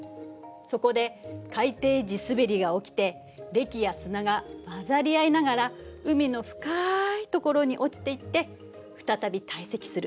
そこで海底地すべりが起きてれきや砂が混ざり合いながら海の深い所に落ちていって再び堆積する。